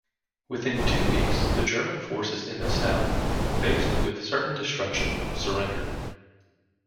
Within two weeks the German forces in the south, faced with certain destruction, surrendered.